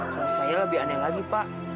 kalau saya lebih aneh lagi pak